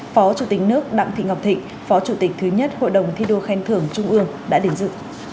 phó chủ tịch nước đặng thị ngọc thịnh phó chủ tịch thứ nhất hội đồng thi đua khen thưởng trung ương đã đến dự